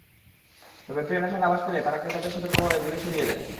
তবে ট্রেন আসার আভাস পেলে তাঁরা ক্রেতাদের সতর্ক করে দূরে সরিয়ে দেন।